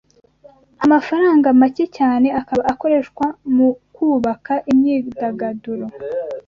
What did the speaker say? amafaranga make cyane akaba akoreshwa mu kubaka imyidagaduro